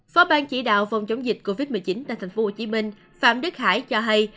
phó ban chỉ đạo phòng chống dịch covid một mươi chín tại tp hcm phạm đức hải cho hay